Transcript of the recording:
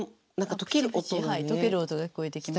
解ける音が聞こえてきます。